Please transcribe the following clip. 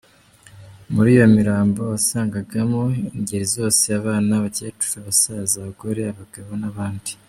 Muri iyo mirambo wasangaga mo ingeri zose: abana, abacyecuru, abasaza, abagore, abagabo…